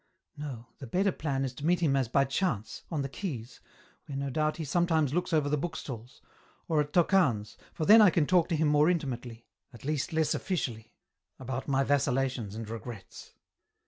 No : the better plan is to meet him as by chance, on the quays, where no doubt he sometimes looks over the book stalls, or at Tocane's, for then I can talk to him more intimately, at least less officially, about my vacillations and regrets."